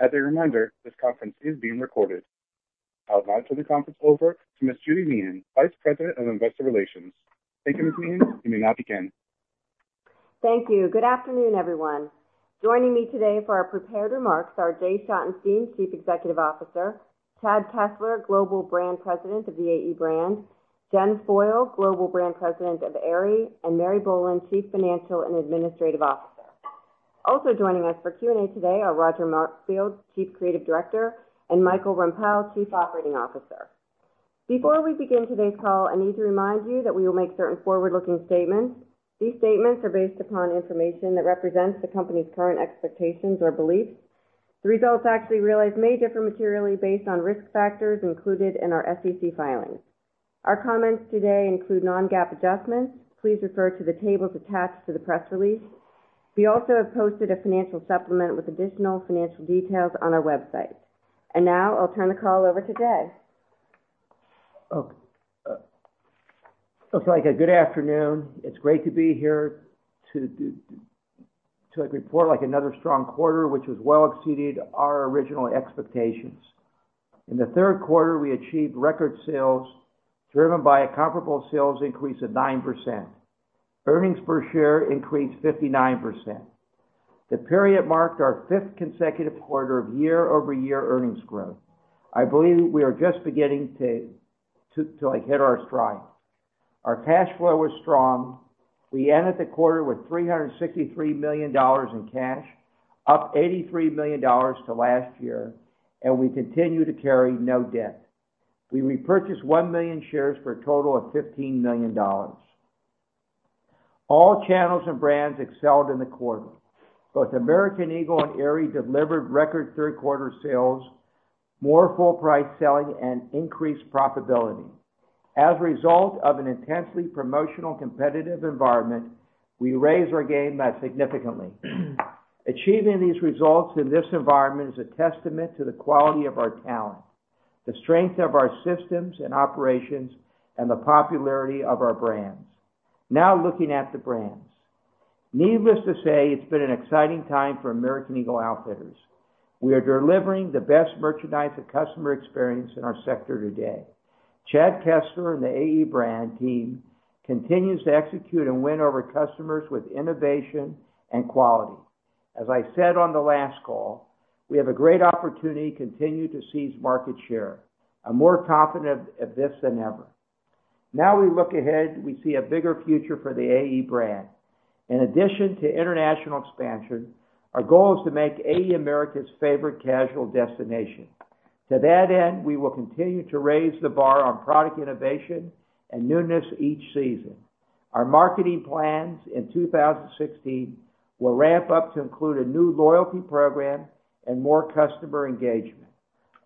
As a reminder, this conference is being recorded. I'll now turn the conference over to Ms. Judy Meehan, Vice President of Investor Relations. Thank you, Ms. Meehan. You may now begin. Thank you. Good afternoon, everyone. Joining me today for our prepared remarks are Jay Schottenstein, Chief Executive Officer, Chad Kessler, Global Brand President of the AE Brand, Jen Foyle, Global Brand President of Aerie, and Mary Boland, Chief Financial and Administrative Officer. Also joining us for Q&A today are Roger Markfield, Chief Creative Director, and Michael Rempell, Chief Operating Officer. Before we begin today's call, I need to remind you that we will make certain forward-looking statements. These statements are based upon information that represents the company's current expectations or beliefs. The results actually realized may differ materially based on risk factors included in our SEC filings. Our comments today include non-GAAP adjustments. Please refer to the tables attached to the press release. We also have posted a financial supplement with additional financial details on our website. Now I'll turn the call over to Jay. Okay. Looks like a good afternoon. It's great to be here to report another strong quarter, which has well exceeded our original expectations. In the third quarter, we achieved record sales, driven by a comparable sales increase of 9%. Earnings per share increased 59%. The period marked our fifth consecutive quarter of year-over-year earnings growth. I believe we are just beginning to hit our stride. Our cash flow was strong. We ended the quarter with $363 million in cash, up $83 million to last year, and we continue to carry no debt. We repurchased 1 million shares for a total of $15 million. All channels and brands excelled in the quarter. Both American Eagle and Aerie delivered record third-quarter sales, more full price selling, and increased profitability. As a result of an intensely promotional competitive environment, we raised our game significantly. Achieving these results in this environment is a testament to the quality of our talent, the strength of our systems and operations, and the popularity of our brands. Now looking at the brands. Needless to say, it's been an exciting time for American Eagle Outfitters. We are delivering the best merchandise and customer experience in our sector today. Chad Kessler and the AE brand team continues to execute and win over customers with innovation and quality. As I said on the last call, we have a great opportunity to continue to seize market share. I'm more confident of this than ever. Now we look ahead, we see a bigger future for the AE brand. In addition to international expansion, our goal is to make AE America's favorite casual destination. To that end, we will continue to raise the bar on product innovation and newness each season. Our marketing plans in 2016 will ramp up to include a new loyalty program and more customer engagement.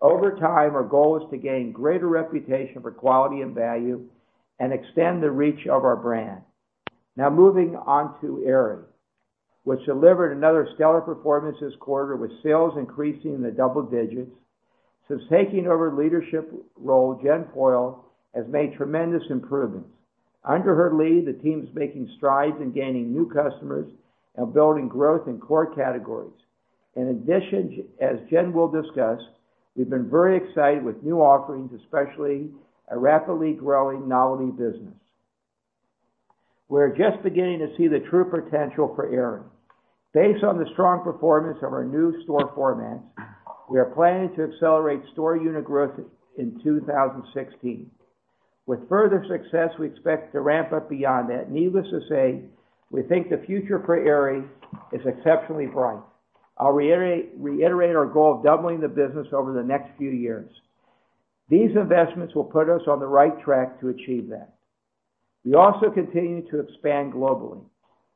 Over time, our goal is to gain greater reputation for quality and value and extend the reach of our brand. Moving on to Aerie, which delivered another stellar performance this quarter with sales increasing in the double digits. Since taking over the leadership role, Jen Foyle has made tremendous improvements. Under her lead, the team's making strides in gaining new customers and building growth in core categories. In addition, as Jen will discuss, we've been very excited with new offerings, especially a rapidly growing novelty business. We're just beginning to see the true potential for Aerie. Based on the strong performance of our new store formats, we are planning to accelerate store unit growth in 2016. With further success, we expect to ramp up beyond that. Needless to say, we think the future for Aerie is exceptionally bright. I'll reiterate our goal of doubling the business over the next few years. These investments will put us on the right track to achieve that. We also continue to expand globally.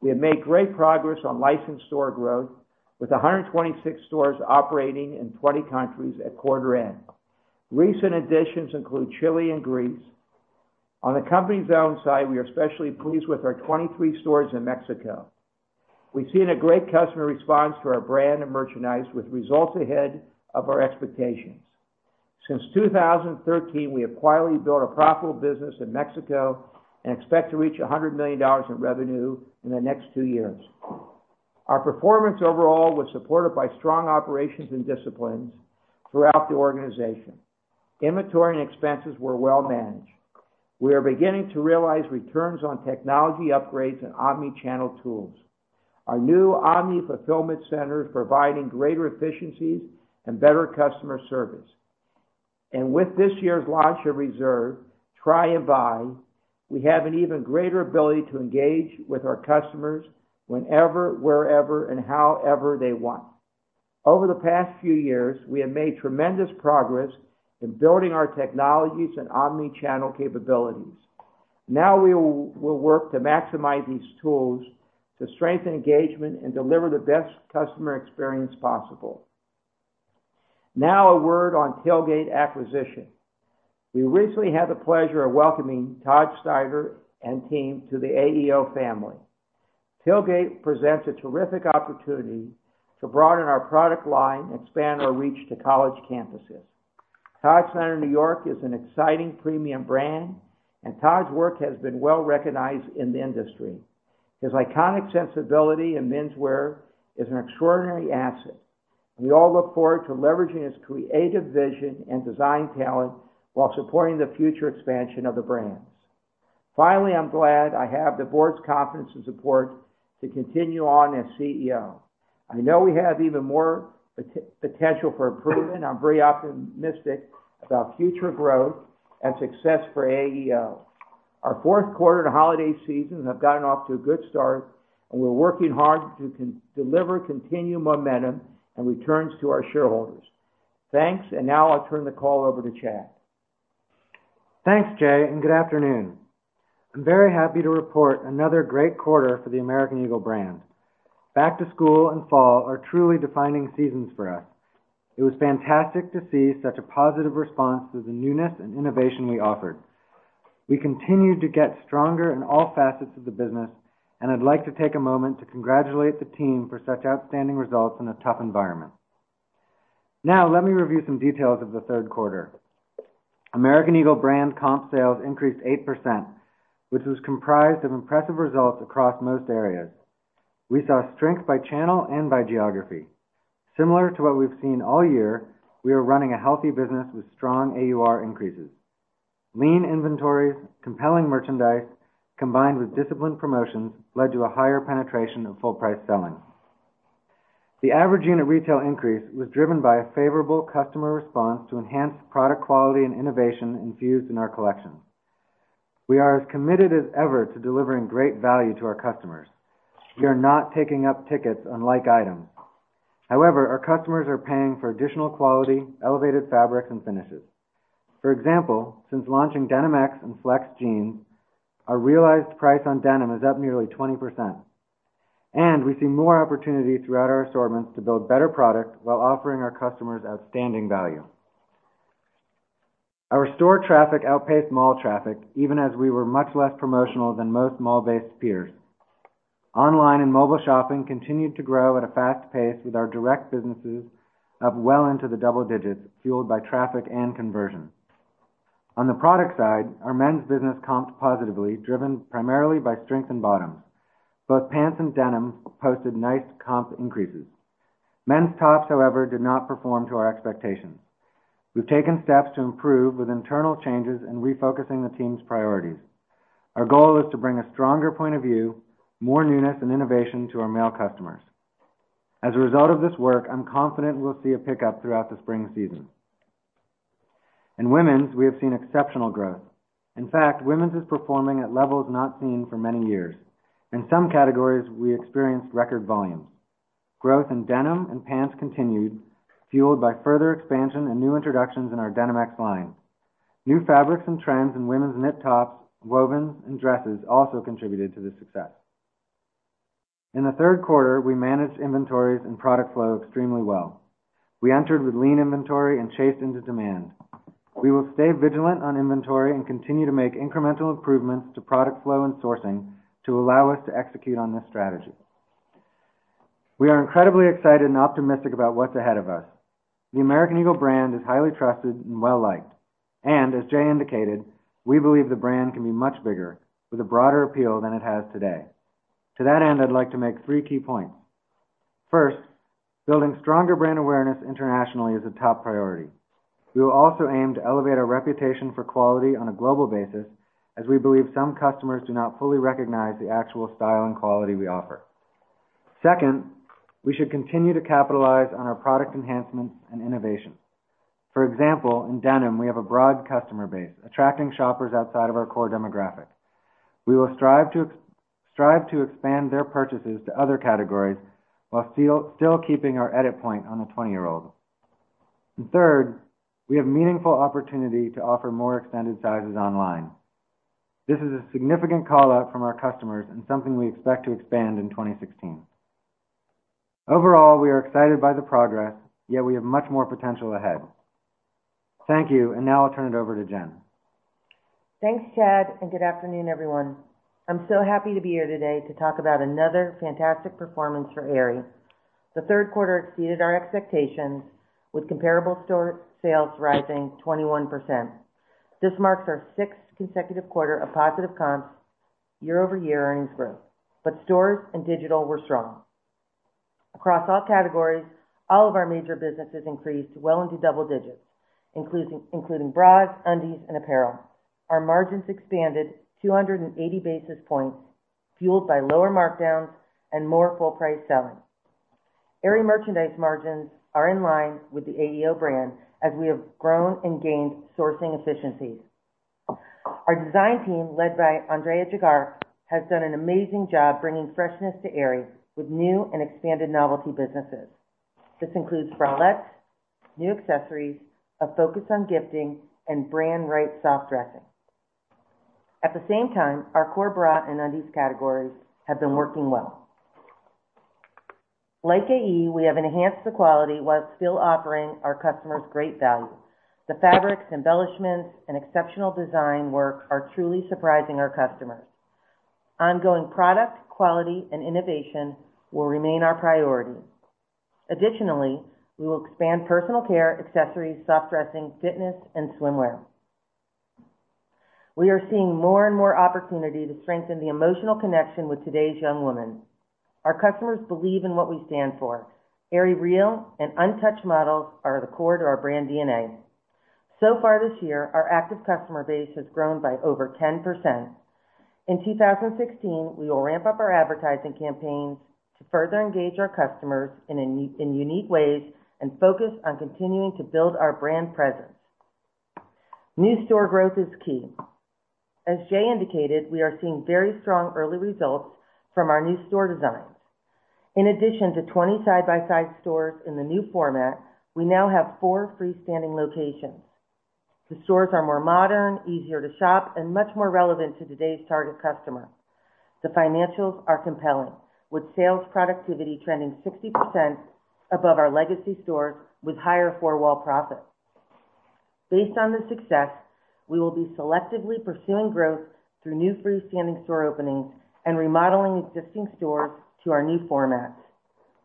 We have made great progress on licensed store growth, with 126 stores operating in 20 countries at quarter end. Recent additions include Chile and Greece. On the company's own side, we are especially pleased with our 23 stores in Mexico. We've seen a great customer response to our brand and merchandise, with results ahead of our expectations. Since 2013, we have quietly built a profitable business in Mexico and expect to reach $100 million in revenue in the next two years. Our performance overall was supported by strong operations and disciplines throughout the organization. Inventory and expenses were well managed. We are beginning to realize returns on technology upgrades and omni-channel tools. Our new omni-fulfillment center is providing greater efficiencies and better customer service. With this year's launch of Reserve, Try and Buy, we have an even greater ability to engage with our customers whenever, wherever, and however they want. Over the past few years, we have made tremendous progress in building our technologies and omni-channel capabilities. We will work to maximize these tools to strengthen engagement and deliver the best customer experience possible. A word on Tailgate acquisition. We recently had the pleasure of welcoming Todd Snyder and team to the AEO family. Tailgate presents a terrific opportunity to broaden our product line and expand our reach to college campuses. Todd Snyder New York is an exciting premium brand, and Todd's work has been well-recognized in the industry. His iconic sensibility in menswear is an extraordinary asset. We all look forward to leveraging his creative vision and design talent while supporting the future expansion of the brands. Finally, I'm glad I have the board's confidence and support to continue on as CEO. I know we have even more potential for improvement. I'm very optimistic about future growth and success for AEO. Our fourth quarter and holiday season have gotten off to a good start, and we're working hard to deliver continued momentum and returns to our shareholders. Thanks. Now I'll turn the call over to Chad. Thanks, Jay, and good afternoon. I'm very happy to report another great quarter for the American Eagle brand. Back to school and fall are truly defining seasons for us. It was fantastic to see such a positive response to the newness and innovation we offered. We continued to get stronger in all facets of the business, and I'd like to take a moment to congratulate the team for such outstanding results in a tough environment. Now, let me review some details of the third quarter. American Eagle brand comp sales increased 8%, which was comprised of impressive results across most areas. We saw strength by channel and by geography. Similar to what we've seen all year, we are running a healthy business with strong AUR increases. Lean inventories, compelling merchandise, combined with disciplined promotions led to a higher penetration of full price selling. The average unit retail increase was driven by a favorable customer response to enhanced product quality and innovation infused in our collection. We are as committed as ever to delivering great value to our customers. We are not taking up tickets on like items. However, our customers are paying for additional quality, elevated fabrics, and finishes. For example, since launching Denim X and Flex jeans, our realized price on denim is up nearly 20%, and we see more opportunities throughout our assortments to build better product while offering our customers outstanding value. Our store traffic outpaced mall traffic even as we were much less promotional than most mall-based peers. Online and mobile shopping continued to grow at a fast pace with our direct businesses up well into the double digits, fueled by traffic and conversion. On the product side, our men's business comped positively, driven primarily by strength in bottoms. Both pants and denim posted nice comp increases. Men's tops, however, did not perform to our expectations. We've taken steps to improve with internal changes and refocusing the team's priorities. Our goal is to bring a stronger point of view, more newness, and innovation to our male customers. As a result of this work, I'm confident we'll see a pickup throughout the spring season. In women's, we have seen exceptional growth. In fact, women's is performing at levels not seen for many years. In some categories, we experienced record volumes. Growth in denim and pants continued, fueled by further expansion and new introductions in our Denim X line. New fabrics and trends in women's knit tops, wovens, and dresses also contributed to this success. In the third quarter, we managed inventories and product flow extremely well. We entered with lean inventory and chased into demand. We will stay vigilant on inventory and continue to make incremental improvements to product flow and sourcing to allow us to execute on this strategy. We are incredibly excited and optimistic about what's ahead of us. The American Eagle brand is highly trusted and well-liked, and as Jay indicated, we believe the brand can be much bigger with a broader appeal than it has today. To that end, I'd like to make three key points. First, building stronger brand awareness internationally is a top priority. We will also aim to elevate our reputation for quality on a global basis as we believe some customers do not fully recognize the actual style and quality we offer. Second, we should continue to capitalize on our product enhancements and innovation. For example, in denim, we have a broad customer base, attracting shoppers outside of our core demographic. We will strive to expand their purchases to other categories while still keeping our edit point on the 20-year-old. Third, we have meaningful opportunity to offer more extended sizes online. This is a significant call-out from our customers and something we expect to expand in 2016. Overall, we are excited by the progress, yet we have much more potential ahead. Thank you, and now I'll turn it over to Jen. Thanks, Chad, and good afternoon, everyone. I'm so happy to be here today to talk about another fantastic performance for Aerie. The third quarter exceeded our expectations with comparable store sales rising 21%. This marks our sixth consecutive quarter of positive comps year-over-year earnings growth. Both stores and digital were strong. Across all categories, all of our major businesses increased well into double digits, including bras, undies, and apparel. Our margins expanded 280 basis points, fueled by lower markdowns and more full price selling. Aerie merchandise margins are in line with the AEO brand as we have grown and gained sourcing efficiencies. Our design team, led by Andrea Jaeger, has done an amazing job bringing freshness to Aerie with new and expanded novelty businesses. This includes bralettes, new accessories, a focus on gifting, and brand right soft dressing. At the same time, our core bra and undies categories have been working well. Like AE, we have enhanced the quality while still offering our customers great value. The fabrics, embellishments, and exceptional design work are truly surprising our customers. Ongoing product quality and innovation will remain our priority. Additionally, we will expand personal care accessories, soft dressing, fitness, and swimwear. We are seeing more and more opportunity to strengthen the emotional connection with today's young women. Our customers believe in what we stand for. Aerie REAL and untouched models are the core to our brand DNA. So far this year, our active customer base has grown by over 10%. In 2016, we will ramp up our advertising campaigns to further engage our customers in unique ways and focus on continuing to build our brand presence. New store growth is key. As Jay indicated, we are seeing very strong early results from our new store designs. In addition to 20 side-by-side stores in the new format, we now have four freestanding locations. The stores are more modern, easier to shop, and much more relevant to today's target customer. The financials are compelling, with sales productivity trending 60% above our legacy stores with higher four-wall profits. Based on this success, we will be selectively pursuing growth through new freestanding store openings and remodeling existing stores to our new formats.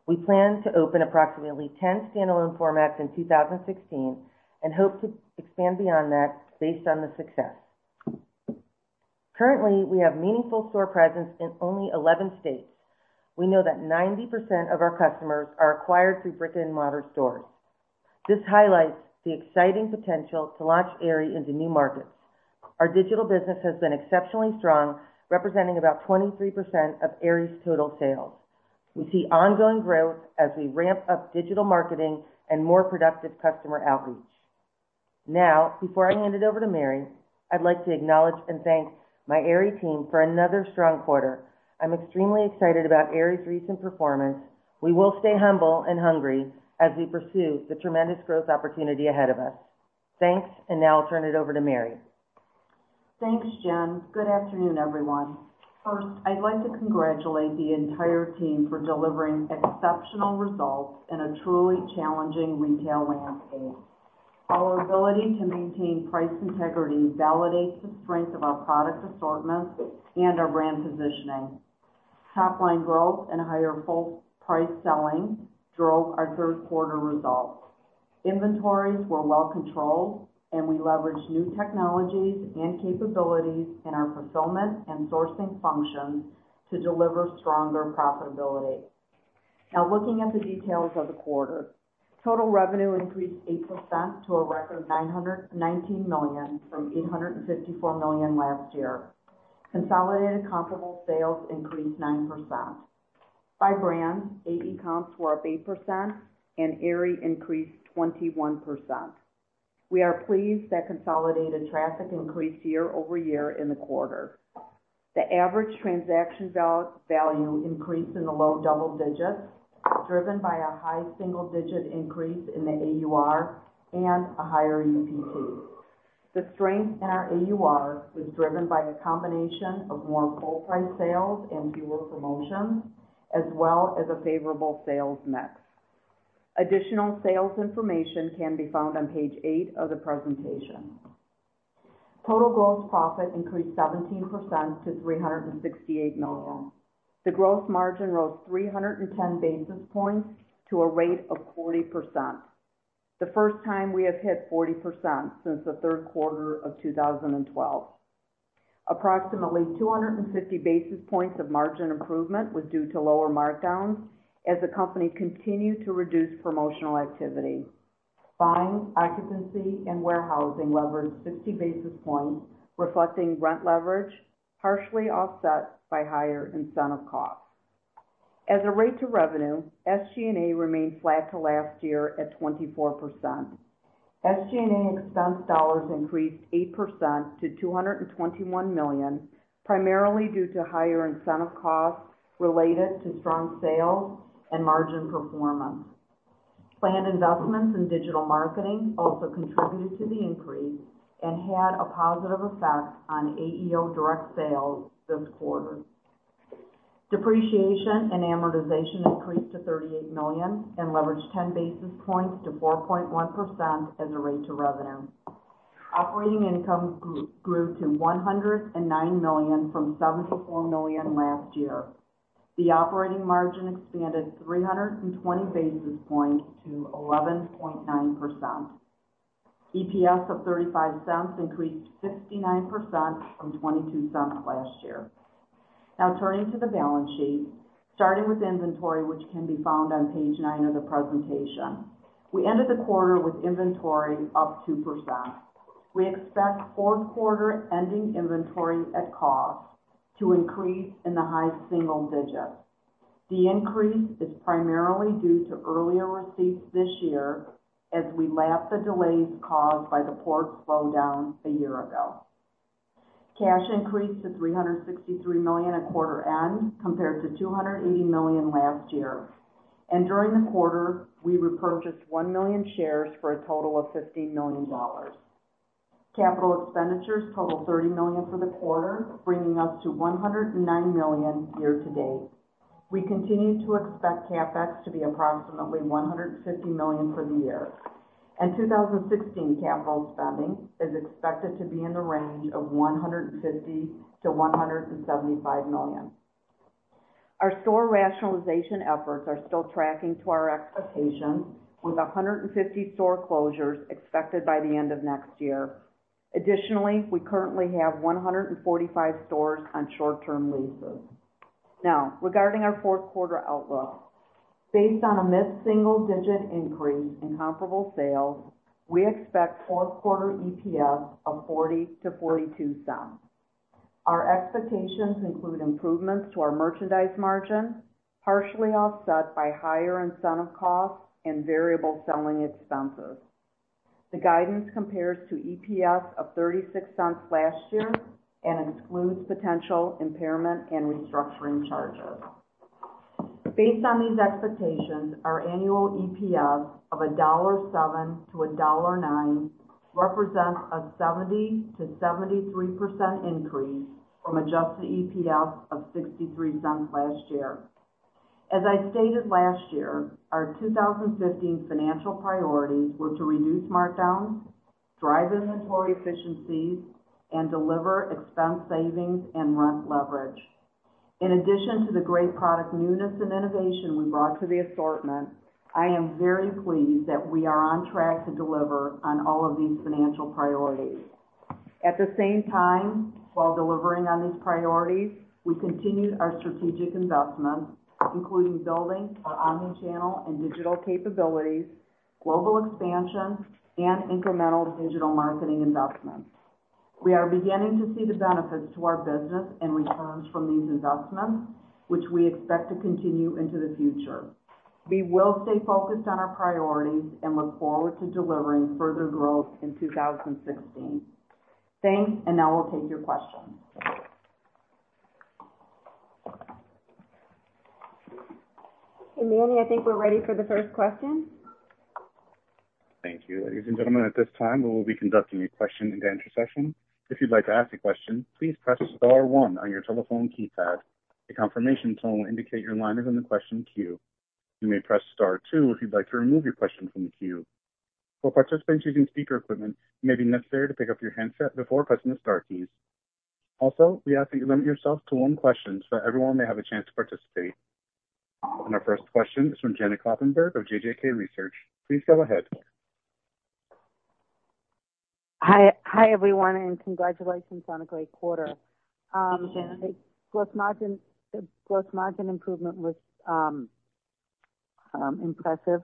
We plan to open approximately 10 standalone formats in 2016 and hope to expand beyond that based on the success. Currently, we have meaningful store presence in only 11 states. We know that 90% of our customers are acquired through brick-and-mortar stores. This highlights the exciting potential to launch Aerie into new markets. Our digital business has been exceptionally strong, representing about 23% of Aerie's total sales. We see ongoing growth as we ramp up digital marketing and more productive customer outreach. Now, before I hand it over to Mary, I'd like to acknowledge and thank my Aerie team for another strong quarter. I'm extremely excited about Aerie's recent performance. We will stay humble and hungry as we pursue the tremendous growth opportunity ahead of us. Thanks. Now I'll turn it over to Mary. Thanks, Jen. Good afternoon, everyone. First, I'd like to congratulate the entire team for delivering exceptional results in a truly challenging retail landscape. Our ability to maintain price integrity validates the strength of our product assortment and our brand positioning. Topline growth and higher full price selling drove our third quarter results. Inventories were well controlled, and we leveraged new technologies and capabilities in our fulfillment and sourcing functions to deliver stronger profitability. Now looking at the details of the quarter. Total revenue increased 8% to a record $919 million from $854 million last year. Consolidated comparable sales increased 9%. By brand, AE comps were up 8% and Aerie increased 21%. We are pleased that consolidated traffic increased year-over-year in the quarter. The average transaction value increased in the low double digits, driven by a high single-digit increase in the AUR and a higher EPT. The strength in our AUR was driven by a combination of more full-price sales and fewer promotions, as well as a favorable sales mix. Additional sales information can be found on page eight of the presentation. Total gross profit increased 17% to $368 million. The gross margin rose 310 basis points to a rate of 40%, the first time we have hit 40% since the third quarter of 2012. Approximately 250 basis points of margin improvement was due to lower markdowns as the company continued to reduce promotional activity. Buying, occupancy, and warehousing leveraged 50 basis points, reflecting rent leverage, partially offset by higher incentive costs. As a rate to revenue, SG&A remained flat to last year at 24%. SG&A expense dollars increased 8% to $221 million, primarily due to higher incentive costs related to strong sales and margin performance. Planned investments in digital marketing also contributed to the increase and had a positive effect on AEO direct sales this quarter. Depreciation and amortization increased to $38 million and leveraged 10 basis points to 4.1% as a rate to revenue. Operating income grew to $109 million from $74 million last year. The operating margin expanded 320 basis points to 11.9%. EPS of $0.35 increased 59% from $0.22 last year. Now turning to the balance sheet. Starting with inventory, which can be found on page nine of the presentation. We ended the quarter with inventory up 2%. We expect fourth quarter ending inventory at cost to increase in the high single digits. The increase is primarily due to earlier receipts this year as we lap the delays caused by the port slowdown a year ago. Cash increased to $363 million at quarter end, compared to $280 million last year. During the quarter, we repurchased 1 million shares for a total of $15 million. Capital expenditures totaled $30 million for the quarter, bringing us to $109 million year to date. We continue to expect CapEx to be approximately $150 million for the year. 2016 capital spending is expected to be in the range of $150 million-$175 million. Our store rationalization efforts are still tracking to our expectations, with 150 store closures expected by the end of next year. Additionally, we currently have 145 stores on short-term leases. Regarding our fourth quarter outlook. Based on a mid-single-digit increase in comparable sales, we expect fourth quarter EPS of $0.40-$0.42. Our expectations include improvements to our merchandise margin, partially offset by higher incentive costs and variable selling expenses. The guidance compares to EPS of $0.36 last year and excludes potential impairment and restructuring charges. Based on these expectations, our annual EPS of $1.07-$1.09 represents a 70%-73% increase from adjusted EPS of $0.63 last year. As I stated last year, our 2015 financial priorities were to reduce markdowns, drive inventory efficiencies, and deliver expense savings and rent leverage. In addition to the great product newness and innovation we brought to the assortment, I am very pleased that we are on track to deliver on all of these financial priorities. At the same time, while delivering on these priorities, we continued our strategic investments, including building our omni-channel and digital capabilities, global expansion, and incremental digital marketing investments. We are beginning to see the benefits to our business and returns from these investments, which we expect to continue into the future. We will stay focused on our priorities and look forward to delivering further growth in 2016. Thanks, now we'll take your questions. Manny, I think we're ready for the first question. Thank you. Ladies and gentlemen, at this time, we will be conducting a question and answer session. If you'd like to ask a question, please press star one on your telephone keypad. A confirmation tone will indicate your line is in the question queue. You may press star two if you'd like to remove your question from the queue. For participants using speaker equipment, it may be necessary to pick up your handset before pressing the star keys. Also, we ask that you limit yourself to one question so everyone may have a chance to participate. Our first question is from Janet Kloppenburg of JJK Research. Please go ahead. Hi, everyone, congratulations on a great quarter. Hi, Janet. Gross margin improvement was impressive,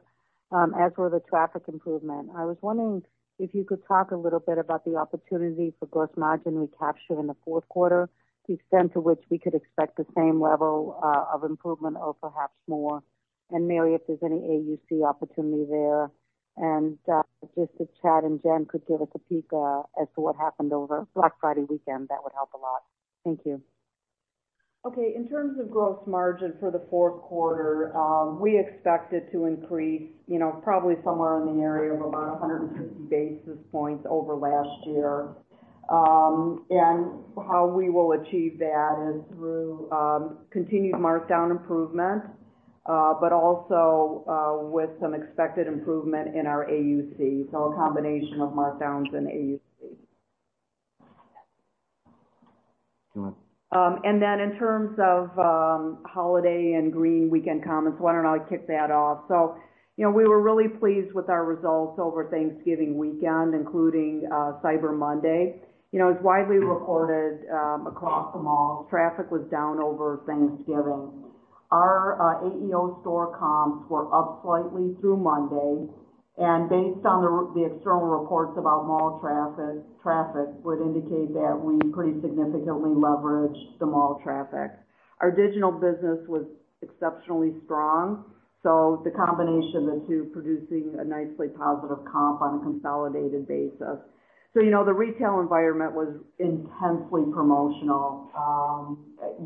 as were the traffic improvement. I was wondering if you could talk a little bit about the opportunity for gross margin recapture in the fourth quarter, the extent to which we could expect the same level of improvement or perhaps more. Mary, if there's any AUC opportunity there. Just if Chad and Jen could give us a peek as to what happened over Black Friday weekend, that would help a lot. Thank you. In terms of gross margin for the fourth quarter, we expect it to increase probably somewhere in the area of about 150 basis points over last year. How we will achieve that is through continued markdown improvement, but also with some expected improvement in our AUC. A combination of markdowns and AUC. Go on. In terms of holiday and Green Weekend comps, why don't I kick that off. We were really pleased with our results over Thanksgiving weekend, including Cyber Monday. It's widely reported across the malls, traffic was down over Thanksgiving. Our AEO store comps were up slightly through Monday. Based on the external reports about mall traffic, would indicate that we pretty significantly leveraged the mall traffic. Our digital business was exceptionally strong, the combination of the two producing a nicely positive comp on a consolidated basis. The retail environment was intensely promotional.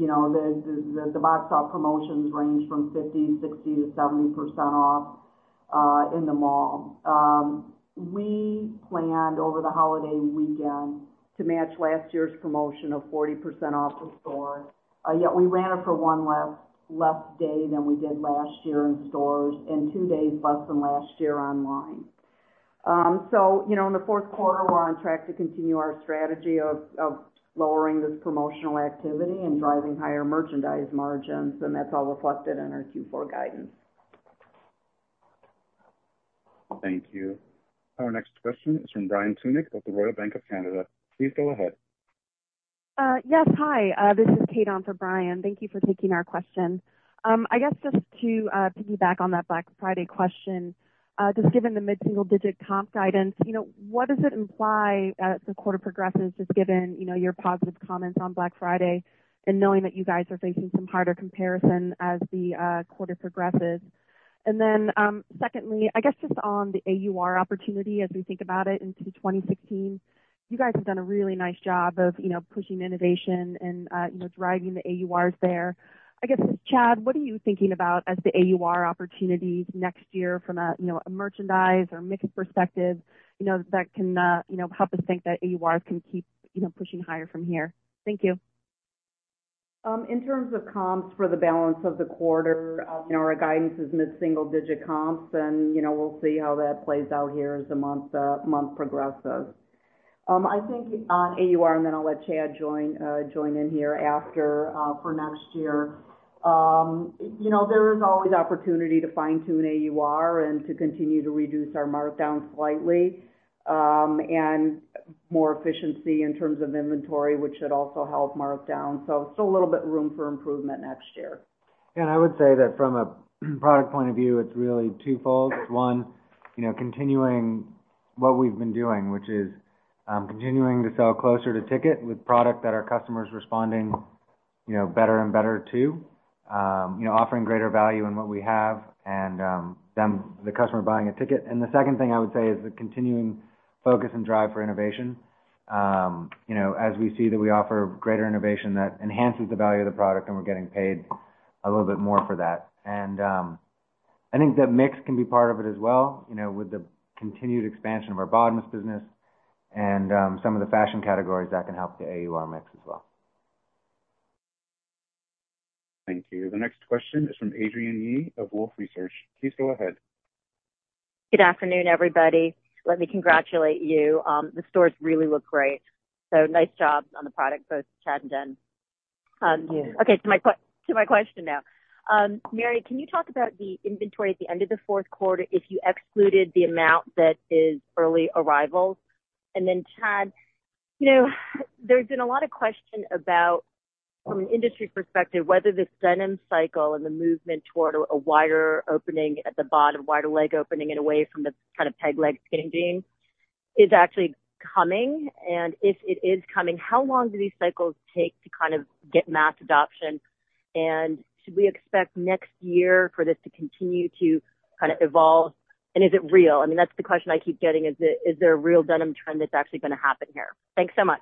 The box shop promotions range from 50%, 60% to 70% off in the mall. We planned over the holiday weekend to match last year's promotion of 40% off of store. Yet we ran it for one less day than we did last year in stores and two days less than last year online. In the fourth quarter, we're on track to continue our strategy of lowering this promotional activity and driving higher merchandise margins. That's all reflected in our Q4 guidance. Thank you. Our next question is from Brian Tunick of the Royal Bank of Canada. Please go ahead. Yes. Hi, this is Kate on for Brian. Thank you for taking our question. I guess just to piggyback on that Black Friday question, just given the mid-single digit comp guidance, what does it imply as the quarter progresses, just given your positive comments on Black Friday and knowing that you guys are facing some harder comparison as the quarter progresses? Secondly, I guess just on the AUR opportunity as we think about it into 2016, you guys have done a really nice job of pushing innovation and driving the AURs there. I guess, Chad, what are you thinking about as the AUR opportunities next year from a merchandise or mix perspective that can help us think that AURs can keep pushing higher from here? Thank you. In terms of comps for the balance of the quarter, our guidance is mid-single digit comps. We'll see how that plays out here as the month progresses. I think on AUR. I'll let Chad join in here after for next year. There is always opportunity to fine-tune AUR and to continue to reduce our markdown slightly. More efficiency in terms of inventory, which should also help markdown. Still a little bit room for improvement next year. I would say that from a product point of view, it's really twofold. One, continuing what we've been doing, which is continuing to sell closer to ticket with product that our customers are responding better and better to. Offering greater value in what we have and the customer buying a ticket. The second thing I would say is the continuing focus and drive for innovation. As we see that we offer greater innovation that enhances the value of the product. We're getting paid a little bit more for that. I think that mix can be part of it as well, with the continued expansion of our bottoms business and some of the fashion categories that can help the AUR mix as well. Thank you. The next question is from Adrienne Yih of Wolfe Research. Please go ahead. Good afternoon, everybody. Let me congratulate you. The stores really look great. Nice job on the product, both Chad and Jen. Thank you. To my question now. Mary, can you talk about the inventory at the end of the fourth quarter if you excluded the amount that is early arrivals? Then Chad, there's been a lot of question about, from an industry perspective, whether this denim cycle and the movement toward a wider opening at the bottom, wider leg opening and away from the kind of peg leg skinny jean is actually coming. If it is coming, how long do these cycles take to kind of get mass adoption? Should we expect next year for this to continue to kind of evolve? Is it real? That's the question I keep getting, is there a real denim trend that's actually going to happen here? Thanks so much.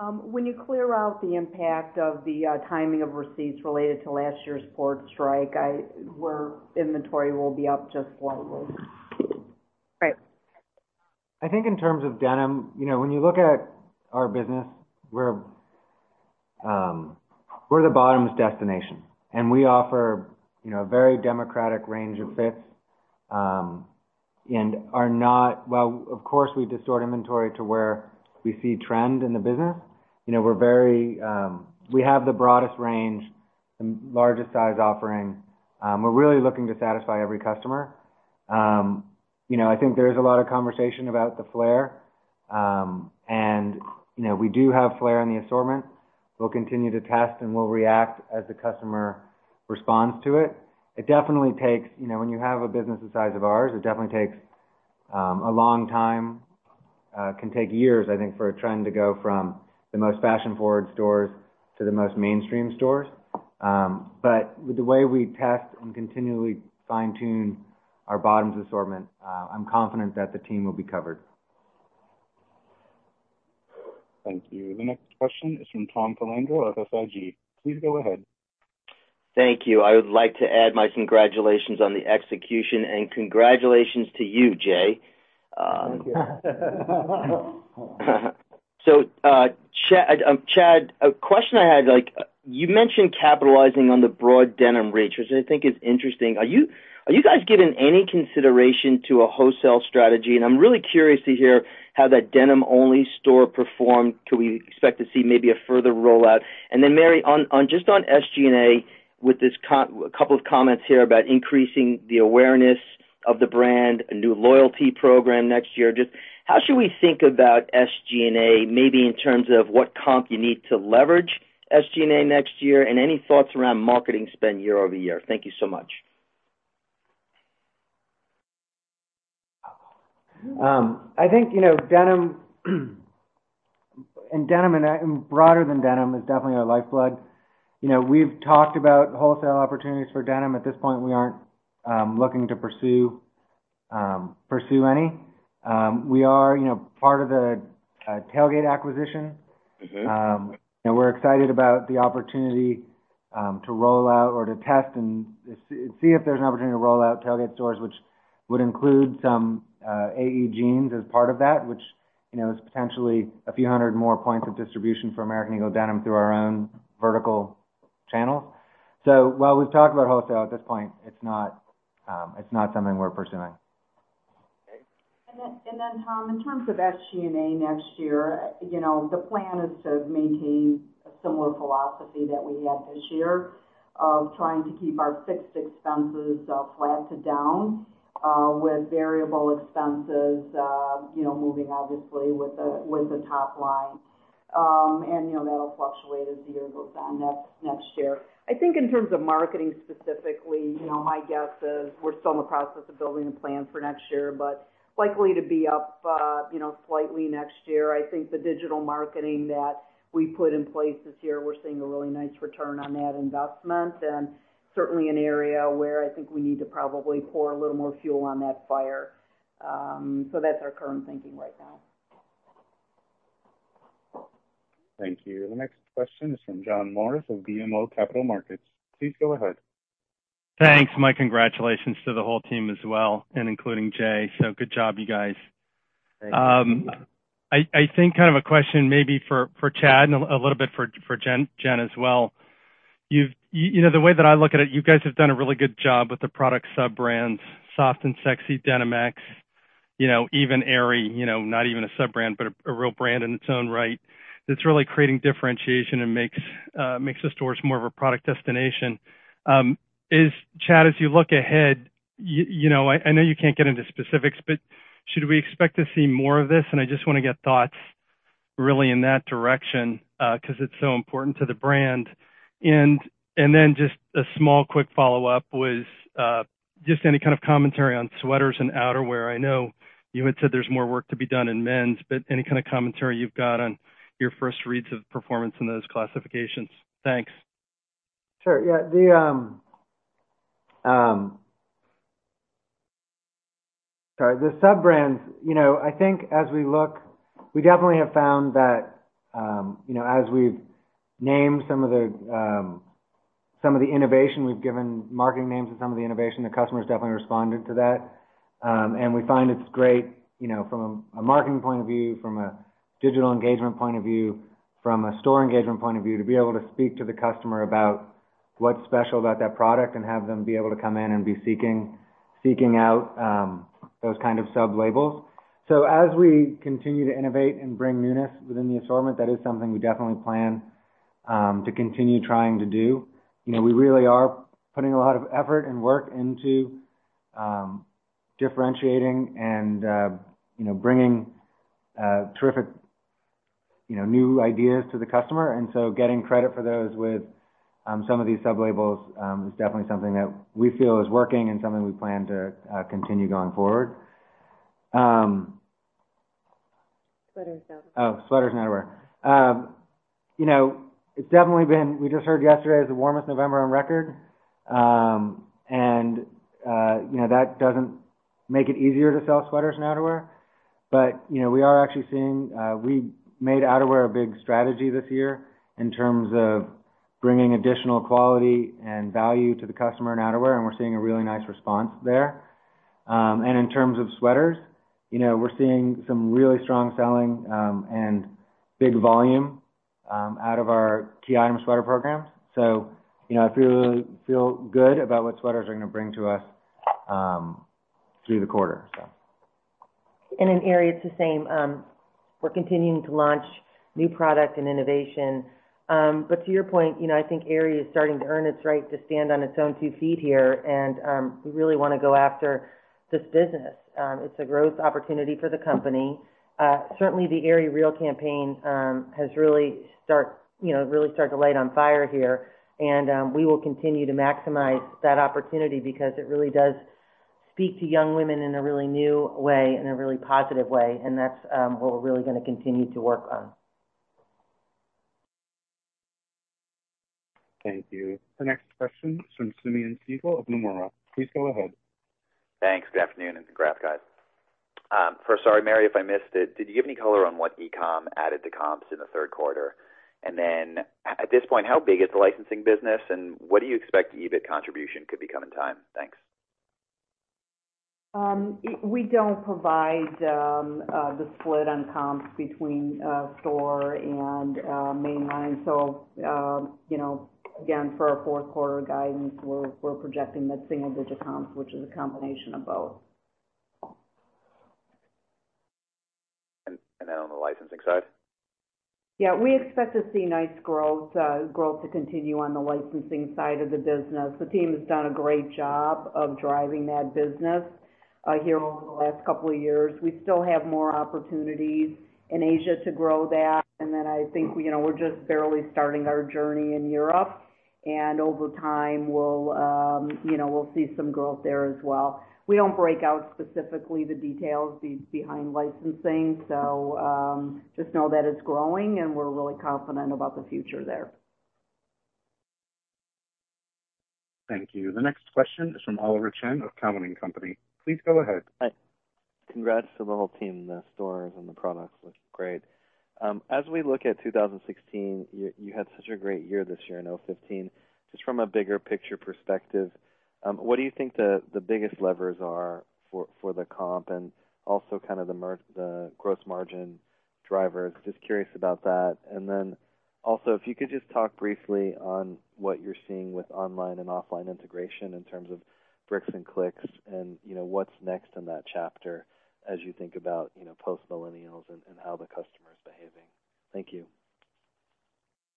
When you clear out the impact of the timing of receipts related to last year's port strike, our inventory will be up just slightly. Right. I think in terms of denim, when you look at our business, we're the bottoms destination. We offer a very democratic range of fits. While of course, we distort inventory to where we see trend in the business, we have the broadest range and largest size offering. We're really looking to satisfy every customer. I think there is a lot of conversation about the flare. We do have flare in the assortment. We'll continue to test, and we'll react as the customer responds to it. When you have a business the size of ours, it definitely takes a long time. It can take years, I think, for a trend to go from the most fashion-forward stores to the most mainstream stores. With the way we test and continually fine-tune our bottoms assortment, I'm confident that the team will be covered. Thank you. The next question is from Tom Filandro of SIG. Please go ahead. Thank you. I would like to add my congratulations on the execution and congratulations to you, Jay. Thank you. Chad, a question I had, you mentioned capitalizing on the broad denim reach, which I think is interesting. Are you guys giving any consideration to a wholesale strategy? I'm really curious to hear how that denim-only store performed. Could we expect to see maybe a further rollout? Mary, just on SG&A with this couple of comments here about increasing the awareness of the brand, a new loyalty program next year. How should we think about SG&A, maybe in terms of what comp you need to leverage SG&A next year? Any thoughts around marketing spend year-over-year? Thank you so much. I think denim and broader than denim is definitely our lifeblood. We've talked about wholesale opportunities for denim. At this point, we aren't looking to pursue any. We are part of the Tailgate acquisition. We're excited about the opportunity to roll out or to test and see if there's an opportunity to roll out Tailgate stores, which would include some AE jeans as part of that, which is potentially a few hundred more points of distribution for American Eagle denim through our own vertical channels. While we've talked about wholesale, at this point, it's not something we're pursuing. Okay. Thom, in terms of SG&A next year, the plan is to maintain a similar philosophy that we had this year of trying to keep our fixed expenses flat to down, with variable expenses moving obviously with the top line. That'll fluctuate as the year goes on next year. I think in terms of marketing specifically, my guess is we're still in the process of building a plan for next year, likely to be up slightly next year. I think the digital marketing that we put in place this year, we're seeing a really nice return on that investment, and certainly an area where I think we need to probably pour a little more fuel on that fire. That's our current thinking right now. Thank you. The next question is from John Morris of BMO Capital Markets. Please go ahead. Thanks. My congratulations to the whole team as well, and including Jay. Good job you guys. Thank you. I think a question maybe for Chad and a little bit for Jen as well. The way that I look at it, you guys have done a really good job with the product sub-brands, Soft & Sexy, Denim X, even Aerie, not even a sub-brand, but a real brand in its own right. It's really creating differentiation and makes the stores more of a product destination. Chad, as you look ahead, I know you can't get into specifics, but should we expect to see more of this? I just want to get thoughts really in that direction because it's so important to the brand. Then just a small quick follow-up was just any kind of commentary on sweaters and outerwear. I know you had said there's more work to be done in men's, but any kind of commentary you've got on your first reads of performance in those classifications. Thanks. Sure. Yeah. The sub-brands, I think as we look, we definitely have found that as we've named some of the innovation, we've given marketing names to some of the innovation, the customer's definitely responded to that. We find it's great from a marketing point of view, from a digital engagement point of view, from a store engagement point of view, to be able to speak to the customer about what's special about that product and have them be able to come in and be seeking out those kind of sub-labels. As we continue to innovate and bring newness within the assortment, that is something we definitely plan to continue trying to do. We really are putting a lot of effort and work into differentiating and bringing terrific new ideas to the customer. Getting credit for those with some of these sub-labels is definitely something that we feel is working and something we plan to continue going forward. Sweaters and outerwear. Oh, sweaters and outerwear. We just heard yesterday was the warmest November on record. That doesn't make it easier to sell sweaters and outerwear. We are actually seeing. We made outerwear a big strategy this year in terms of bringing additional quality and value to the customer in outerwear, and we're seeing a really nice response there. In terms of sweaters, we're seeing some really strong selling and big volume out of our key item sweater programs. I feel good about what sweaters are going to bring to us through the quarter. In Aerie, it's the same. We're continuing to launch new product and innovation. To your point, I think Aerie is starting to earn its right to stand on its own two feet here, and we really want to go after this business. It's a growth opportunity for the company. Certainly, the Aerie REAL campaign has really started to light on fire here, and we will continue to maximize that opportunity because it really does speak to young women in a really new way and a really positive way, and that's what we're really going to continue to work on. Thank you. The next question is from Simeon Siegel of Nomura. Please go ahead. Thanks. Good afternoon, and congrats, guys. First, sorry, Mary, if I missed it, did you give any color on what e-com added to comps in the third quarter? At this point, how big is the licensing business, and what do you expect the EBIT contribution could become in time? Thanks. We don't provide the split on comps between store and mainline. Again, for our fourth quarter guidance, we're projecting mid single digit comps, which is a combination of both. On the licensing side? Yeah, we expect to see nice growth to continue on the licensing side of the business. The team has done a great job of driving that business here over the last couple of years. We still have more opportunities in Asia to grow that. I think we're just barely starting our journey in Europe, and over time, we'll see some growth there as well. We don't break out specifically the details behind licensing. Just know that it's growing, and we're really confident about the future there. Thank you. The next question is from Oliver Chen of Cowen and Company. Please go ahead. Hi. Congrats to the whole team. The stores and the products look great. As we look at 2016, you had such a great year this year in 2015. Just from a bigger picture perspective, what do you think the biggest levers are for the comp and also the gross margin drivers? Just curious about that. Also, if you could just talk briefly on what you're seeing with online and offline integration in terms of bricks and clicks and what's next in that chapter as you think about post-millennials and how the customer is behaving. Thank you.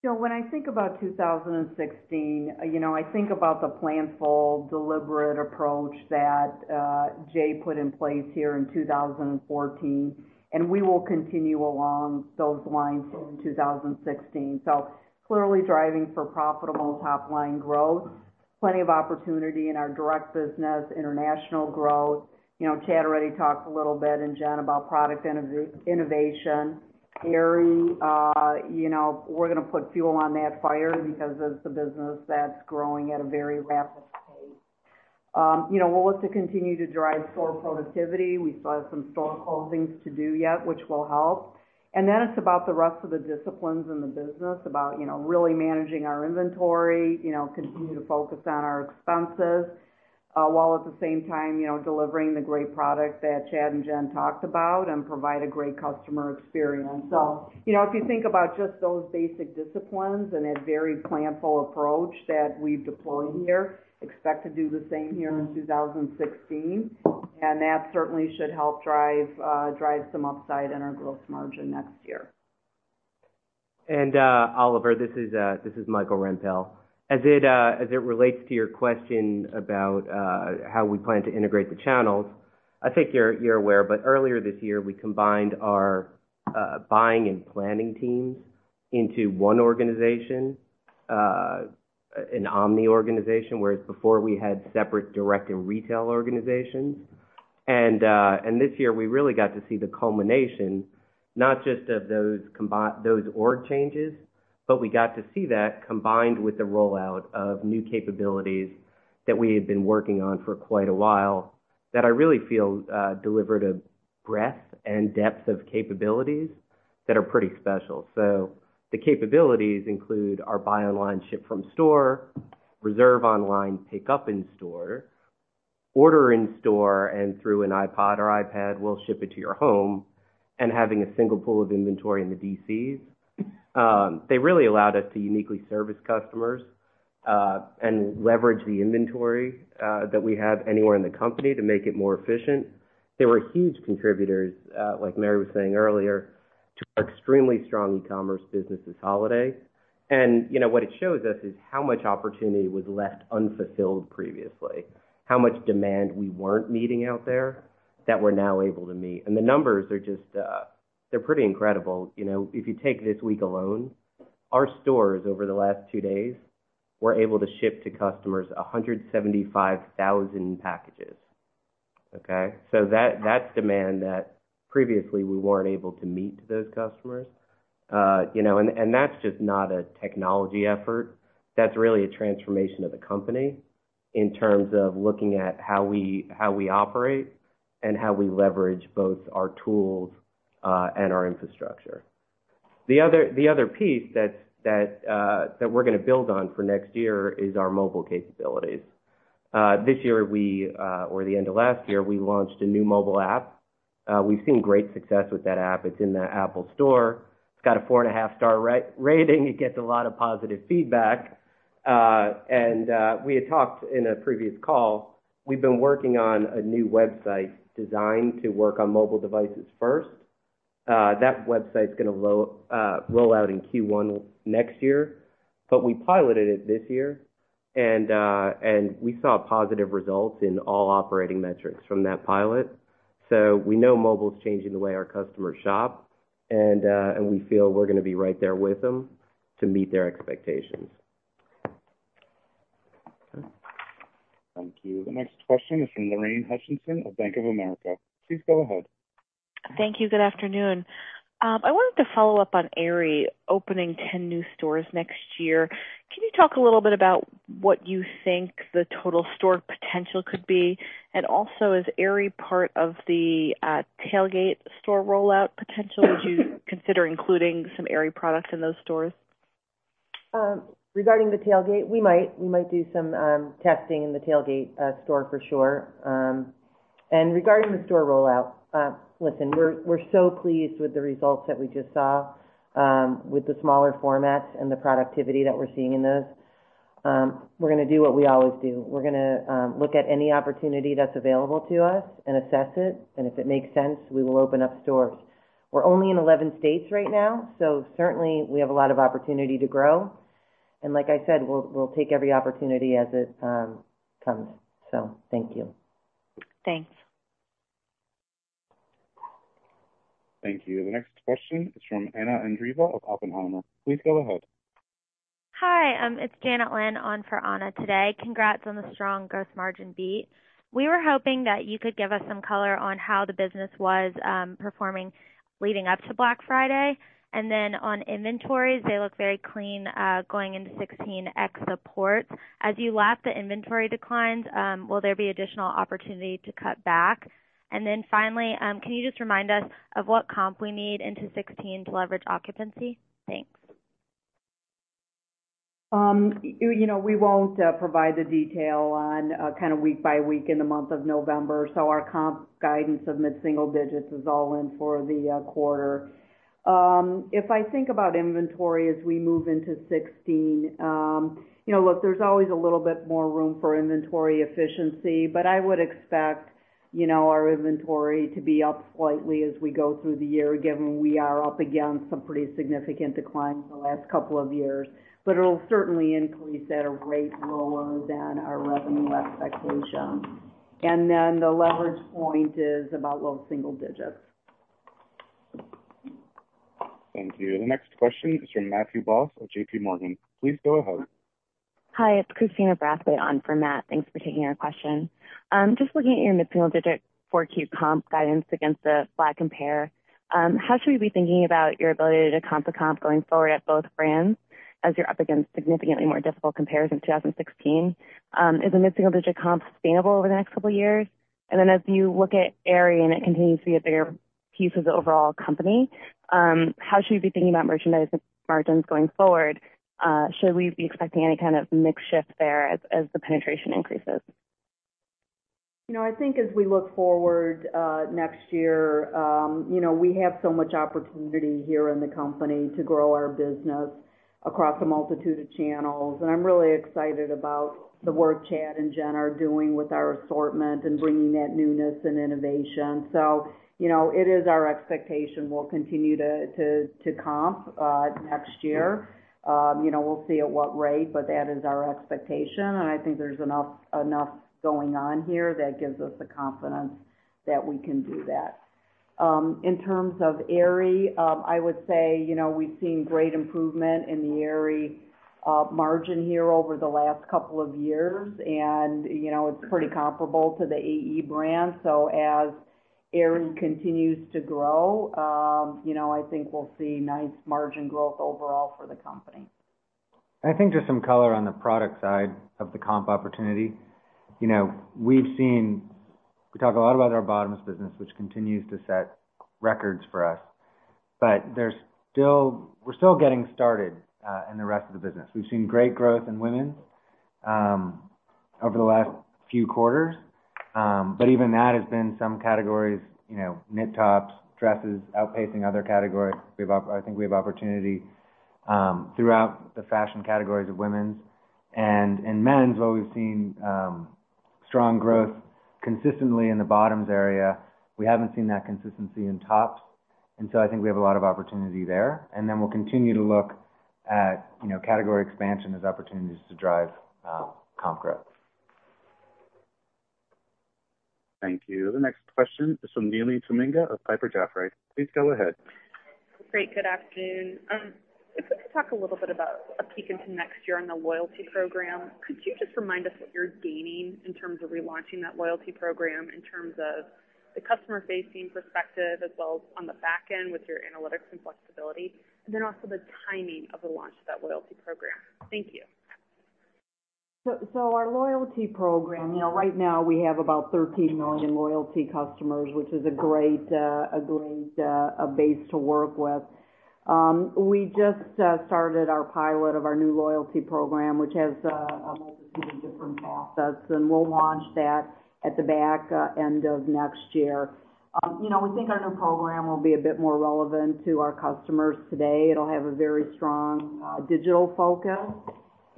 When I think about 2016, I think about the planful, deliberate approach that Jay put in place here in 2014, and we will continue along those lines in 2016. Clearly driving for profitable top-line growth, plenty of opportunity in our direct business, international growth. Chad already talked a little bit, and Jen, about product innovation. Aerie, we're going to put fuel on that fire because it's a business that's growing at a very rapid pace. Let's continue to drive store productivity. We still have some store closings to do yet, which will help. It's about the rest of the disciplines in the business, about really managing our inventory, continue to focus on our expenses, while at the same time, delivering the great product that Chad and Jen talked about and provide a great customer experience. If you think about just those basic disciplines and that very planful approach that we've deployed here, expect to do the same here in 2016. That certainly should help drive some upside in our growth margin next year. Oliver, this is Michael Rempell. As it relates to your question about how we plan to integrate the channels, I think you're aware, but earlier this year, we combined our buying and planning teams into one organization, an omni organization, whereas before we had separate direct and retail organizations. This year, we really got to see the culmination, not just of those org changes, but we got to see that combined with the rollout of new capabilities that we had been working on for quite a while, that I really feel delivered a breadth and depth of capabilities that are pretty special. The capabilities include our buy online, ship from store, reserve online, pick up in store, order in store and through an iPod or iPad, we'll ship it to your home, and having a single pool of inventory in the DCs. They really allowed us to uniquely service customers, leverage the inventory that we have anywhere in the company to make it more efficient. They were huge contributors, like Mary was saying earlier, to our extremely strong e-commerce business this holiday. What it shows us is how much opportunity was left unfulfilled previously, how much demand we weren't meeting out there that we're now able to meet. The numbers are they're pretty incredible. If you take this week alone, our stores over the last two days were able to ship to customers 175,000 packages. Okay? That's demand that previously we weren't able to meet to those customers. That's just not a technology effort. That's really a transformation of the company in terms of looking at how we operate and how we leverage both our tools and our infrastructure. The other piece that we're going to build on for next year is our mobile capabilities. This year or the end of last year, we launched a new mobile app. We've seen great success with that app. It's in the Apple Store. It's got a four and a half star rating. It gets a lot of positive feedback. We had talked in a previous call, we've been working on a new website designed to work on mobile devices first. That website's going to roll out in Q1 next year. We piloted it this year, we saw positive results in all operating metrics from that pilot. We know mobile's changing the way our customers shop, we feel we're going to be right there with them to meet their expectations. Thank you. The next question is from Lorraine Hutchinson of Bank of America. Please go ahead. Thank you. Good afternoon. I wanted to follow up on Aerie opening 10 new stores next year. Can you talk a little bit about what you think the total store potential could be? Also, is Aerie part of the Tailgate store rollout potential? Would you consider including some Aerie products in those stores? Regarding the Tailgate, we might do some testing in the Tailgate store for sure. Regarding the store rollout, listen, we're so pleased with the results that we just saw with the smaller formats and the productivity that we're seeing in those. We're going to do what we always do. We're going to look at any opportunity that's available to us and assess it, if it makes sense, we will open up stores. We're only in 11 states right now, certainly, we have a lot of opportunity to grow. Like I said, we'll take every opportunity as it comes. Thank you. Thanks. Thank you. The next question is from Anna Andreeva of Oppenheimer. Please go ahead. Hi, it's Janet Lynne on for Anna today. Congrats on the strong growth margin beat. We were hoping that you could give us some color on how the business was performing leading up to Black Friday. On inventories, they look very clean going into 2016 ex the port. As you lap the inventory declines, will there be additional opportunity to cut back? Finally, can you just remind us of what comp we need into 2016 to leverage occupancy? Thanks. We won't provide the detail on a kind of week by week in the month of November. Our comp guidance of mid-single digits is all in for the quarter. If I think about inventory as we move into 2016, look, there's always a little bit more room for inventory efficiency, I would expect our inventory to be up slightly as we go through the year, given we are up against some pretty significant declines in the last couple of years. It'll certainly increase at a rate lower than our revenue expectations. The leverage point is about low single digits. Thank you. The next question is from Matthew Boss of JPMorgan. Please go ahead. Hi, it's Christina Brathwaite on for Matt. Thanks for taking our question. Just looking at your mid-single-digit 4Q comp guidance against the flattish compare. How should we be thinking about your ability to comp the comp going forward at both brands, as you're up against significantly more difficult compares in 2016? Is the mid-single-digit comp sustainable over the next couple of years? As you look at Aerie, it continues to be a bigger piece of the overall company, how should we be thinking about merchandise margins going forward? Should we be expecting any kind of mix shift there as the penetration increases? I think as we look forward next year, we have so much opportunity here in the company to grow our business across a multitude of channels. I'm really excited about the work Chad and Jen are doing with our assortment and bringing that newness and innovation. It is our expectation we'll continue to comp next year. We'll see at what rate, that is our expectation, and I think there's enough going on here that gives us the confidence that we can do that. In terms of Aerie, I would say, we've seen great improvement in the Aerie margin here over the last couple of years, and it's pretty comparable to the AE Brand. As Aerie continues to grow, I think we'll see nice margin growth overall for the company. I think just some color on the product side of the comp opportunity. We talk a lot about our bottoms business, which continues to set records for us. We're still getting started in the rest of the business. We've seen great growth in women's over the last few quarters. Even that has been some categories, knit tops, dresses, outpacing other categories. I think we have opportunity throughout the fashion categories of women's. In men's, while we've seen strong growth consistently in the bottoms area, we haven't seen that consistency in tops. I think we have a lot of opportunity there. We'll continue to look at category expansion as opportunities to drive comp growth. Thank you. The next question is from Neely Tamminga of Piper Jaffray. Please go ahead. Great. Good afternoon. If we could talk a little bit about a peek into next year on the loyalty program. Could you just remind us what you're gaining in terms of relaunching that loyalty program in terms of the customer-facing perspective as well as on the back end with your analytics and flexibility? Also the timing of the launch of that loyalty program? Thank you. Our loyalty program, right now we have about 13 million loyalty customers, which is a great base to work with. We just started our pilot of our new loyalty program, which has a multitude of different offsets. We'll launch that at the back end of next year. We think our new program will be a bit more relevant to our customers today. It'll have a very strong digital focus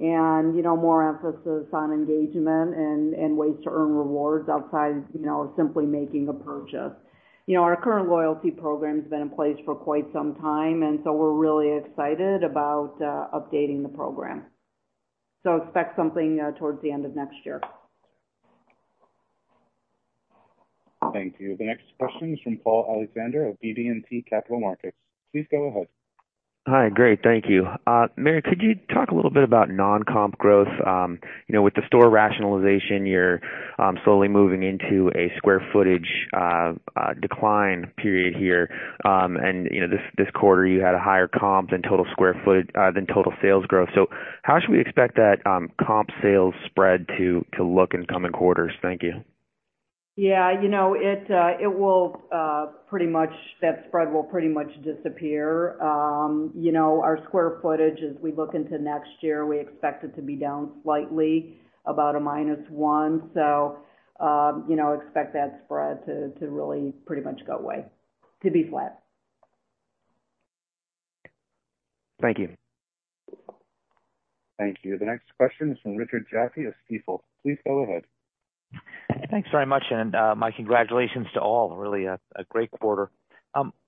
and more emphasis on engagement and ways to earn rewards outside of simply making a purchase. Our current loyalty program's been in place for quite some time. We're really excited about updating the program. Expect something towards the end of next year. Thank you. The next question is from Paul Alexander of BB&T Capital Markets. Please go ahead. Hi. Great. Thank you. Mary, could you talk a little bit about non-comp growth? With the store rationalization, you're slowly moving into a square footage decline period here. This quarter, you had a higher comp than total sales growth. How should we expect that comp sales spread to look in coming quarters? Thank you. Yeah. That spread will pretty much disappear. Our square footage, as we look into next year, we expect it to be down slightly, about a minus one. Expect that spread to really pretty much go away. To be flat. Thank you. Thank you. The next question is from Richard Jaffe of Stifel. Please go ahead. Thanks very much. My congratulations to all. Really a great quarter.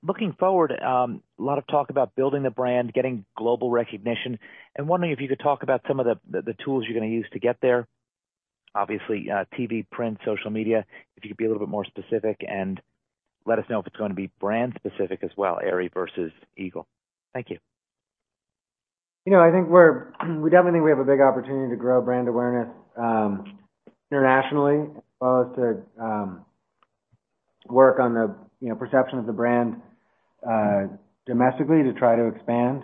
Looking forward, a lot of talk about building the brand, getting global recognition. I'm wondering if you could talk about some of the tools you're going to use to get there. Obviously, TV, print, social media. If you could be a little bit more specific and let us know if it's going to be brand specific as well, Aerie versus Eagle. Thank you. We definitely think we have a big opportunity to grow brand awareness internationally as well as to work on the perception of the brand domestically to try to expand.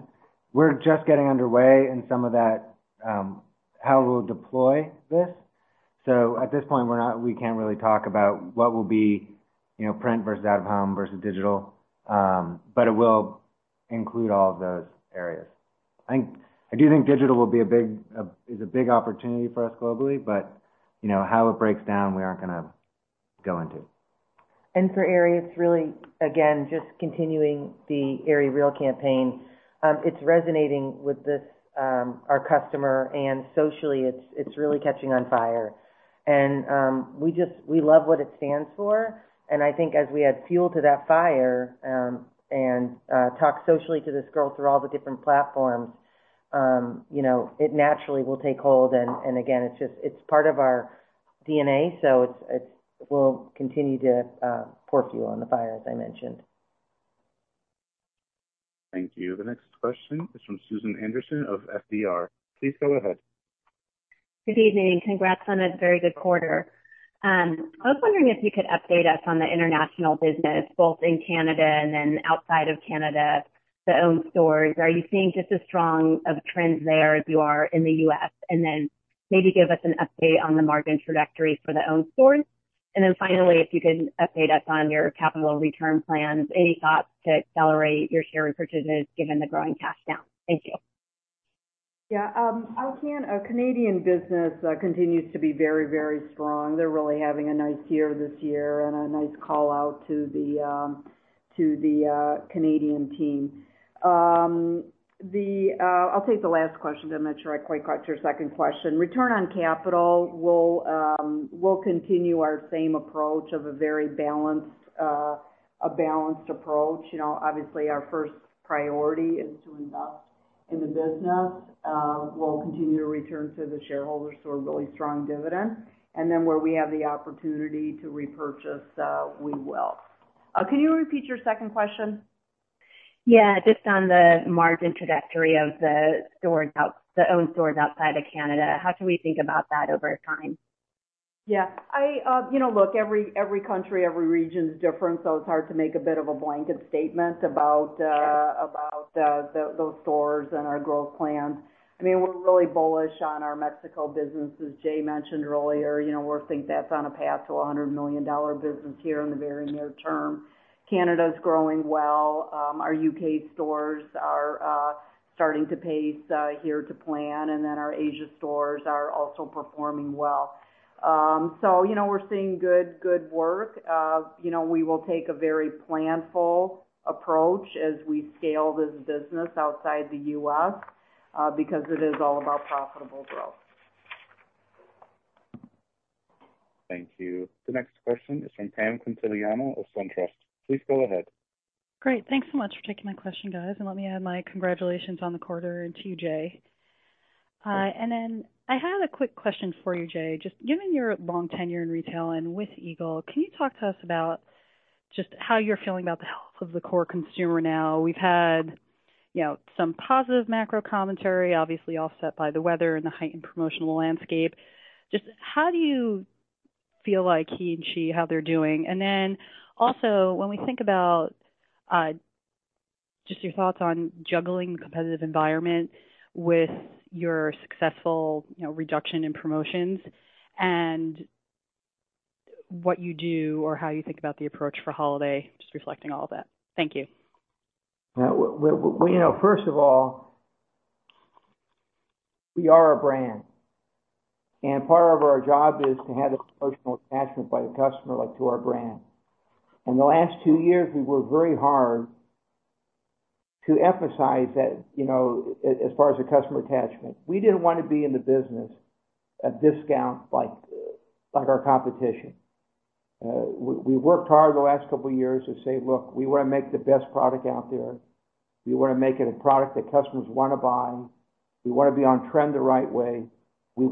We're just getting underway in some of that, how we'll deploy this. At this point, we can't really talk about what will be print versus out of home versus digital. It will include all of those areas. I do think digital is a big opportunity for us globally, how it breaks down, we aren't going to go into. For Aerie, it's really, again, just continuing the Aerie REAL campaign. It's resonating with our customer. Socially, it's really catching on fire. We love what it stands for. I think as we add fuel to that fire and talk socially to this girl through all the different platforms, it naturally will take hold. Again, it's part of our DNA, so we'll continue to pour fuel on the fire, as I mentioned. Thank you. The next question is from Susan Anderson of FBR. Please go ahead. Good evening, congrats on a very good quarter. I was wondering if you could update us on the international business, both in Canada and then outside of Canada, the owned stores. Are you seeing just as strong of trends there as you are in the U.S.? Maybe give us an update on the margin trajectory for the owned stores. Finally, if you can update us on your capital return plans. Any thoughts to accelerate your share repurchases given the growing cash down? Thank you. Yeah. Our Canadian business continues to be very, very strong. They're really having a nice year this year, a nice call-out to the Canadian team. I'll take the last question, I'm not sure I quite got your second question. Return on capital, we'll continue our same approach of a very balanced approach. Obviously, our first priority is to invest in the business. We'll continue to return to the shareholders through a really strong dividend. Where we have the opportunity to repurchase, we will. Can you repeat your second question? Yeah, just on the margin trajectory of the owned stores outside of Canada. How can we think about that over time? Yeah. Look, every country, every region is different, so it's hard to make a bit of a blanket statement about those stores and our growth plans. We're really bullish on our Mexico business, as Jay mentioned earlier. We think that's on a path to a $100 million business here in the very near term. Canada's growing well. Our U.K. stores are starting to pace here to plan, our Asia stores are also performing well. We're seeing good work. We will take a very planful approach as we scale this business outside the U.S., because it is all about profitable growth. Thank you. The next question is from Pamela Quintiliano of SunTrust. Please go ahead. Great. Thanks so much for taking my question, guys, and let me add my congratulations on the quarter, and to you, Jay. I had a quick question for you, Jay. Just given your long tenure in retail and with Eagle, can you talk to us about just how you're feeling about the health of the core consumer now? We've had some positive macro commentary, obviously offset by the weather and the heightened promotional landscape. Just how do you feel like he and she, how they're doing? Also, when we think about just your thoughts on juggling the competitive environment with your successful reduction in promotions and what you do or how you think about the approach for holiday, just reflecting all of that. Thank you. Well, first of all, we are a brand. Part of our job is to have this emotional attachment by the customer to our brand. In the last two years, we worked very hard to emphasize that, as far as the customer attachment. We didn't want to be in the business of discount like our competition. We worked hard the last couple of years to say, look, we want to make the best product out there. We want to make it a product that customers want to buy. We want to be on trend the right way. That we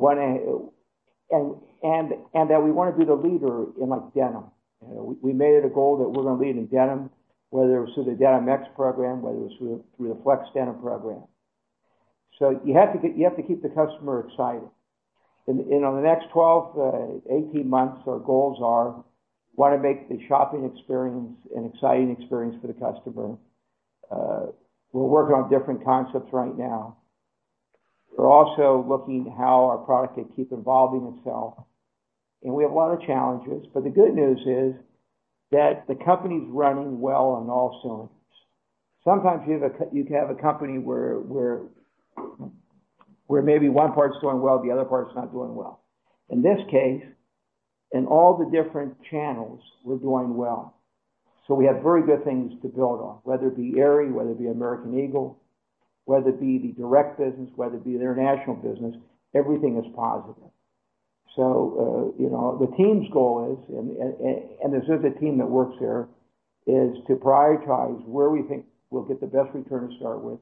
want to be the leader in denim. We made it a goal that we're going to lead in denim, whether it was through the Denim X program, whether it was through the Flex denim program. You have to keep the customer excited. On the next 12, 18 months, our goals are, we want to make the shopping experience an exciting experience for the customer. We're working on different concepts right now. We're also looking at how our product can keep evolving itself. We have a lot of challenges, but the good news is that the company's running well on all cylinders. Sometimes you can have a company where maybe one part's going well, the other part's not doing well. In this case, in all the different channels, we're doing well. We have very good things to build on, whether it be Aerie, whether it be American Eagle, whether it be the direct business, whether it be the international business, everything is positive. The team's goal is, and this is a team that works here, is to prioritize where we think we'll get the best return to start with,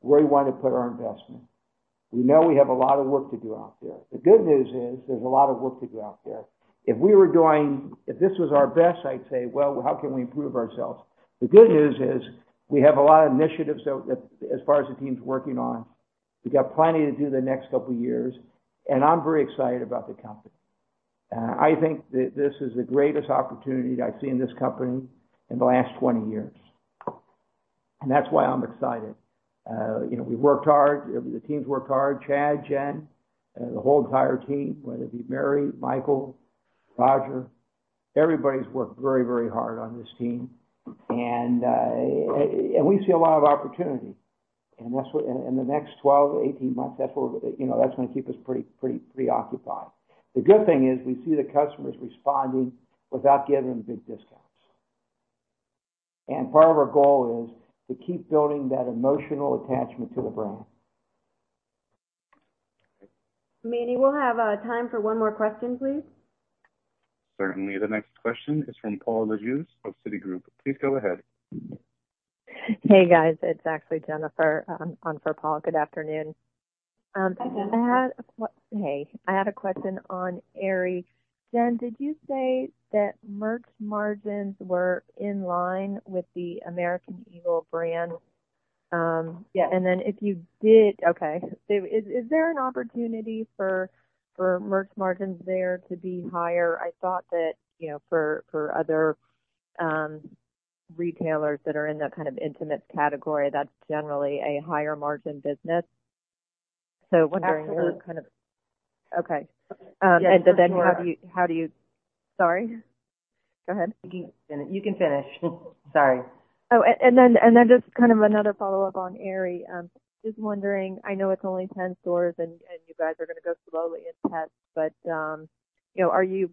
where we want to put our investment. We know we have a lot of work to do out there. The good news is there's a lot of work to do out there. If this was our best, I'd say, well, how can we improve ourselves? The good news is we have a lot of initiatives as far as the team's working on. We got plenty to do the next couple of years, and I'm very excited about the company. I think that this is the greatest opportunity I've seen in this company in the last 20 years. That's why I'm excited. We've worked hard. The team's worked hard. Chad, Jen, the whole entire team, whether it be Mary, Michael, Roger, everybody's worked very, very hard on this team. We see a lot of opportunity. In the next 12, 18 months, that's going to keep us pretty preoccupied. The good thing is we see the customers responding without giving them big discounts. Part of our goal is to keep building that emotional attachment to the brand. Manny, we'll have time for one more question, please. Certainly. The next question is from Paul Lejuez of Citigroup. Please go ahead. Hey, guys. It's actually Jennifer on for Paul. Good afternoon. I had a question on Aerie. Jen, did you say that merch margins were in line with the American Eagle brand? Yeah. If you did, okay. Is there an opportunity for merch margins there to be higher? I thought that for other retailers that are in that intimates category, that's generally a higher margin business. Absolutely. Okay. How do you Sorry. Go ahead. You can finish. Sorry. Just another follow-up on Aerie. Just wondering, I know it is only 10 stores and you guys are going to go slowly and test.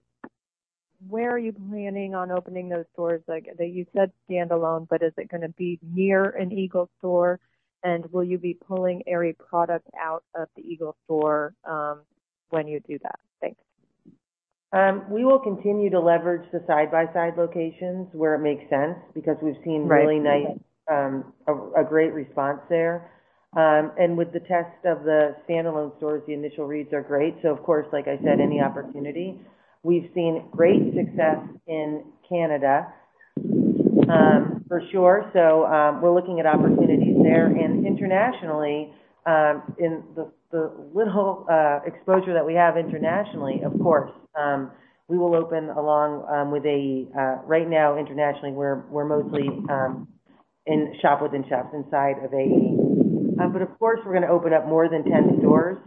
Where are you planning on opening those stores? You said standalone. Is it going to be near an AE store? Will you be pulling Aerie product out of the AE store when you do that? Thanks. We will continue to leverage the side-by-side locations where it makes sense. Right We've seen a great response there. With the test of the standalone stores, the initial reads are great. Of course, like I said, any opportunity. We've seen great success in Canada for sure. We're looking at opportunities there. Internationally, in the little exposure that we have internationally, of course, we will open along with AE. Right now, internationally, we're mostly in shop within shops inside of AE. Of course, we're going to open up more than 10 stores.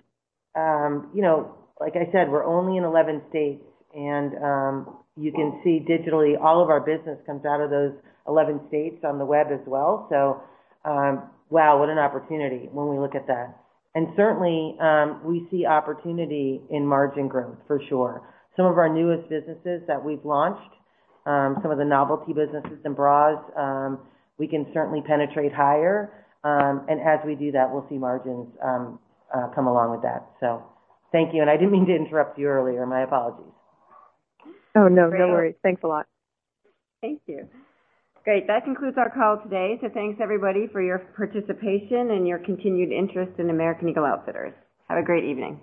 Like I said, we're only in 11 states, and you can see digitally, all of our business comes out of those 11 states on the web as well. Wow, what an opportunity when we look at that. Certainly, we see opportunity in margin growth for sure. Some of our newest businesses that we've launched, some of the novelty businesses and bras, we can certainly penetrate higher. As we do that, we'll see margins come along with that. Thank you. I didn't mean to interrupt you earlier. My apologies. No. No worries. Thanks a lot. Thank you. Great. That concludes our call today. Thanks everybody for your participation and your continued interest in American Eagle Outfitters. Have a great evening.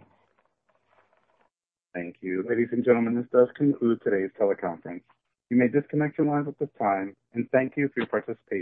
Thank you. Ladies and gentlemen, this does conclude today's teleconference. You may disconnect your lines at this time. Thank you for your participation.